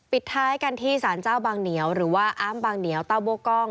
ปิดท้ายกันที่สารเจ้าบางเหนียวหรือว่าอ้ามบางเหนียวเต้าโบ้กล้อง